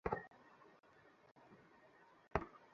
ঘটনার পর গৃহবধূ বাদী হয়ে ওই তিনজনকে আসামি করে আদালতে মামলা করেন।